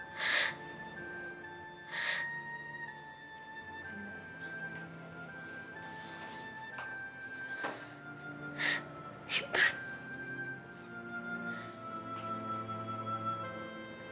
alhamdulillah pak siapa orangnya